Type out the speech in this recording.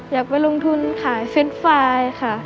อยากไปลงทุนขายเฟสไฟล์ค่ะ